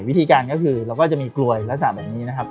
วิธีการก็คือเราก็จะมีกลวยลักษณะแบบนี้นะครับ